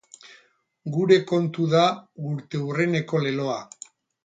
Gure kontu da urteurreneko leloa.